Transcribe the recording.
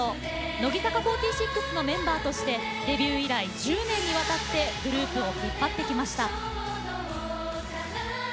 乃木坂４６のメンバーとしてデビュー以来１０年にわたってグループを引っ張ってきました。